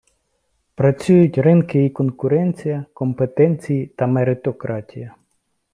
Працюють ринки і конкуренція, компетенції та меритократія.